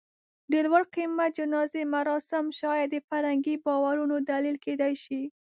د لوړ قېمت جنازې مراسم شاید د فرهنګي باورونو دلیل کېدی شي.